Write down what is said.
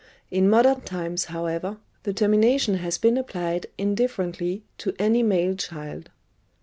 In modern times, however, the termination has been applied indifferently to any male child.